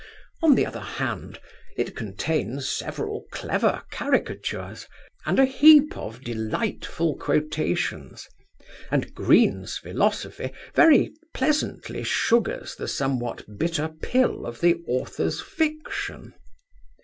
On the other hand, it contains several clever caricatures, and a heap of delightful quotations, and Green's philosophy very pleasantly sugars the somewhat bitter pill of the author's fiction.